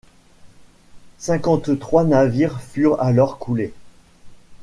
Cinquante-trois navires furent alors coulés.